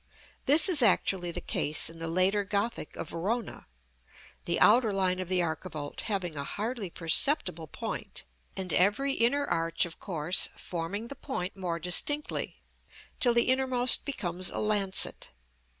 This is actually the case in the later Gothic of Verona; the outer line of the archivolt having a hardly perceptible point, and every inner arch of course forming the point more distinctly, till the innermost becomes a lancet.